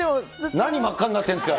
何、真っ赤になってるんですか。